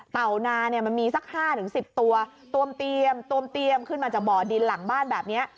เป่าหนามันมีสัก๕๑๐ตัวตรวมเตรียมขึ้นมาจากบ่อดินหลังบ้านแบบนี้